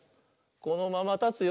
「このままたつよ」